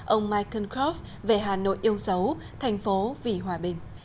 ông michael kroff về hà nội yêu xấu thành phố vì hòa bình